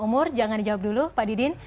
umur jangan dijawab dulu pak didin